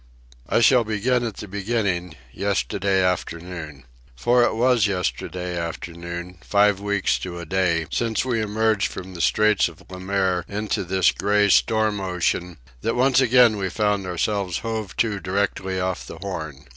I shall begin at the beginning—yesterday afternoon. For it was yesterday afternoon, five weeks to a day since we emerged from the Straits of Le Maire into this gray storm ocean, that once again we found ourselves hove to directly off the Horn.